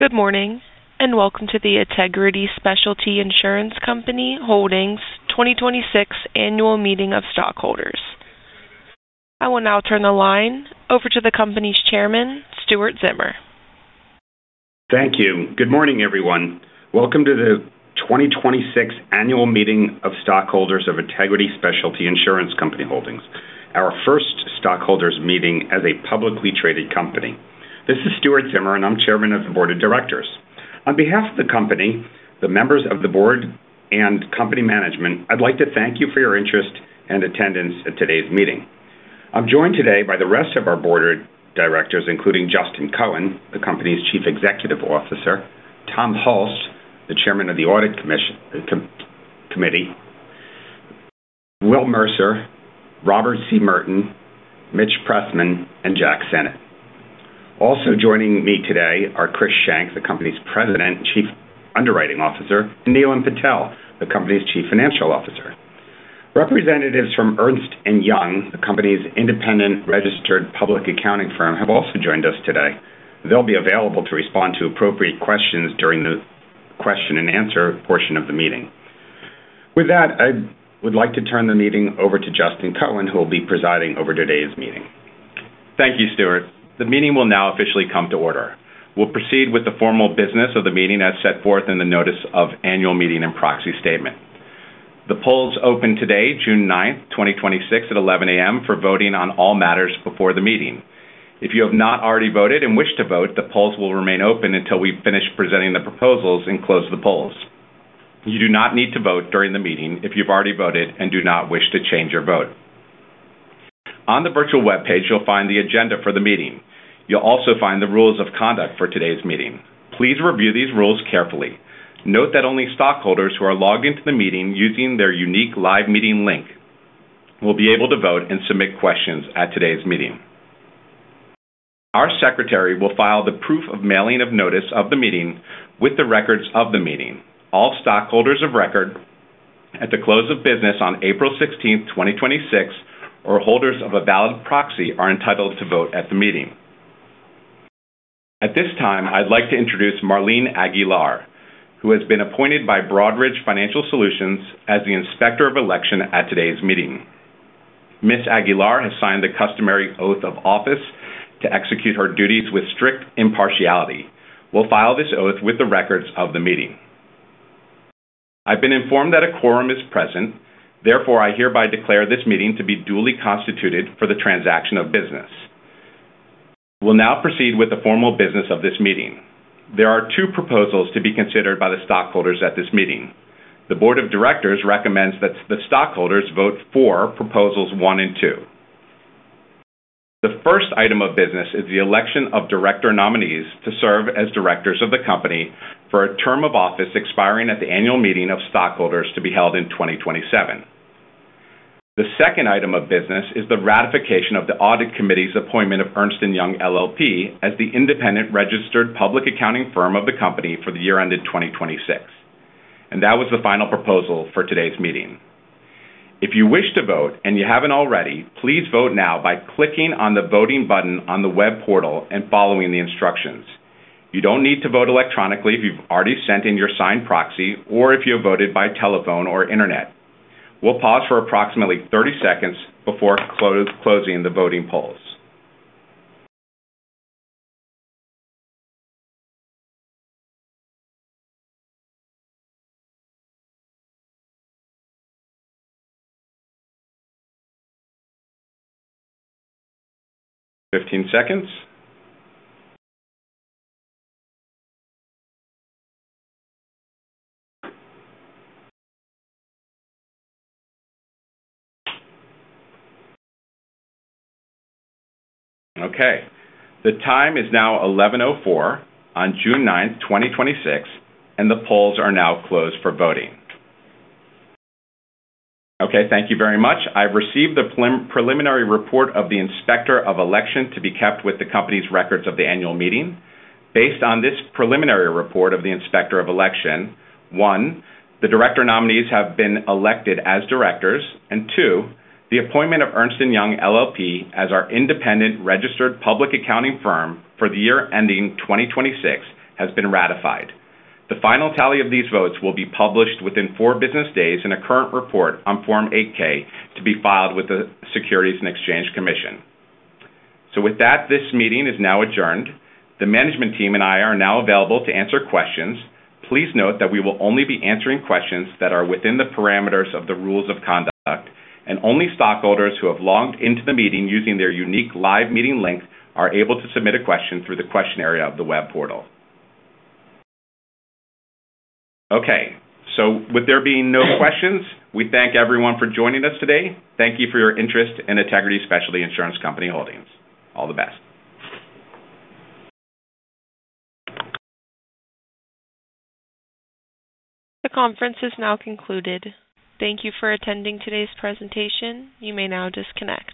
Good morning, welcome to the Ategrity Specialty Insurance Company Holdings 2026 annual meeting of stockholders. I will now turn the line over to the company's Chairman, Stuart Zimmer. Thank you. Good morning, everyone. Welcome to the 2026 annual meeting of stockholders of Ategrity Specialty Insurance Company Holdings, our first stockholders meeting as a publicly traded company. This is Stuart Zimmer, I'm Chairman of the board of directors. On behalf of the company, the members of the board, and company management, I'd like to thank you for your interest and attendance at today's meeting. I'm joined today by the rest of our board of directors, including Justin Cohen, the company's Chief Executive Officer, Tom Hulst, the Chairman of the Audit Committee, Will Mercer, Robert C. Merton, Mitch Pressman, and Jack Sennott. Also joining me today are Chris Schenk, the company's President, Chief Underwriting Officer, and Neelam Patel, the company's Chief Financial Officer. Representatives from Ernst & Young, the company's independent registered public accounting firm, have also joined us today. They'll be available to respond to appropriate questions during the question and answer portion of the meeting. With that, I would like to turn the meeting over to Justin Cohen, who will be presiding over today's meeting. Thank you, Stuart. The meeting will now officially come to order. We'll proceed with the formal business of the meeting as set forth in the notice of annual meeting and proxy statement. The polls opened today, June 9th, 2026, at 11:00 A.M. for voting on all matters before the meeting. If you have not already voted and wish to vote, the polls will remain open until we finish presenting the proposals and close the polls. You do not need to vote during the meeting if you've already voted and do not wish to change your vote. On the virtual webpage, you'll find the agenda for the meeting. You'll also find the rules of conduct for today's meeting. Please review these rules carefully. Note that only stockholders who are logged into the meeting using their unique live meeting link will be able to vote and submit questions at today's meeting. Our secretary will file the proof of mailing of notice of the meeting with the records of the meeting. All stockholders of record at the close of business on April 16, 2026, or holders of a valid proxy are entitled to vote at the meeting. At this time, I'd like to introduce Marlene Aguilar, who has been appointed by Broadridge Financial Solutions as the Inspector of Election at today's meeting. Ms. Aguilar has signed the customary oath of office to execute her duties with strict impartiality. We'll file this oath with the records of the meeting. I've been informed that a quorum is present. Therefore, I hereby declare this meeting to be duly constituted for the transaction of business. We'll now proceed with the formal business of this meeting. There are two proposals to be considered by the stockholders at this meeting. The board of directors recommends that the stockholders vote for proposals one and two. The first item of business is the election of director nominees to serve as directors of the company for a term of office expiring at the annual meeting of stockholders to be held in 2027. The second item of business is the ratification of the audit committee's appointment of Ernst & Young LLP as the independent registered public accounting firm of the company for the year ended 2026. That was the final proposal for today's meeting. If you wish to vote and you haven't already, please vote now by clicking on the voting button on the web portal and following the instructions. You don't need to vote electronically if you've already sent in your signed proxy or if you have voted by telephone or internet. We'll pause for approximately 30 seconds before closing the voting polls. 15 seconds. Okay. The time is now 11:04 A.M. on June 9th, 2026, and the polls are now closed for voting. Okay, thank you very much. I've received the preliminary report of the Inspector of Election to be kept with the company's records of the annual meeting. Based on this preliminary report of the Inspector of Election, one, the director nominees have been elected as directors. Two, the appointment of Ernst & Young LLP as our independent registered public accounting firm for the year ending 2026 has been ratified. The final tally of these votes will be published within four business days in a current report on Form 8-K to be filed with the Securities and Exchange Commission. With that, this meeting is now adjourned. The management team and I are now available to answer questions. Please note that we will only be answering questions that are within the parameters of the rules of conduct, and only stockholders who have logged into the meeting using their unique live meeting link are able to submit a question through the question area of the web portal. Okay. With there being no questions, we thank everyone for joining us today. Thank you for your interest in Ategrity Specialty Insurance Company Holdings. All the best. The conference is now concluded. Thank you for attending today's presentation. You may now disconnect.